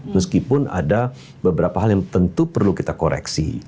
meskipun ada beberapa hal yang tentu perlu kita koreksi